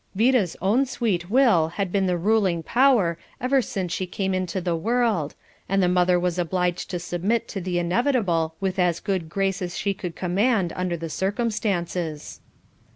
Vida's own sweet will had been the ruling power ever since she came into the world, and the mother was obliged to submit to the inevitable with as good grace as she could command under the circumstances.